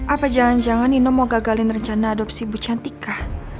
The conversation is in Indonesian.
apa jangan jangan nino mau gagalin rencana adopsi bu cantika